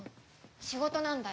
仕事なんだよ。